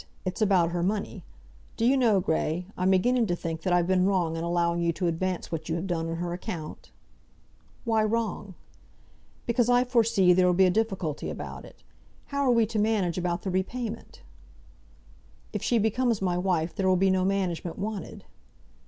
It's about her money. Do you know, Grey, I'm beginning to think that I've been wrong in allowing you to advance what you have done on her account?" "Why wrong?" "Because I foresee there'll be a difficulty about it. How are we to manage about the repayment?" "If she becomes my wife there will be no management wanted."